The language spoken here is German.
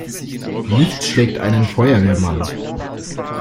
Nichts schlägt einen Feuerwehrmann!